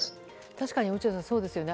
確かに落合さん、そうですよね。